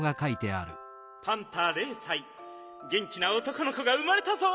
「パンタれいさいげんきな男の子がうまれたぞ！